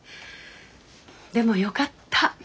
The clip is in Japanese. でもよかった